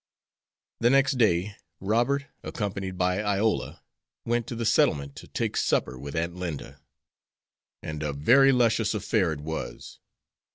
The next day, Robert, accompanied by Iola, went to the settlement to take supper with Aunt Linda, and a very luscious affair it was.